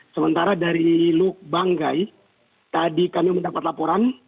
sementara dari luk banggai tadi kami mendapat laporan